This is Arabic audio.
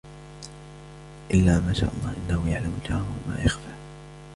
إِلَّا مَا شَاءَ اللَّهُ إِنَّهُ يَعْلَمُ الْجَهْرَ وَمَا يَخْفَى